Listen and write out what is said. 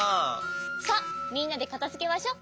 さあみんなでかたづけましょ。